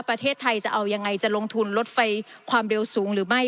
ประเทศไทยจะเอายังไงจะลงทุนลดไฟความเร็วสูงหรือไม่